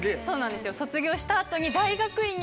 卒業した後に。